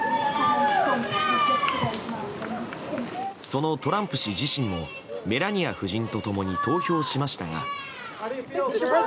そのトランプ氏自身もメラニア夫人と共に投票しましたが。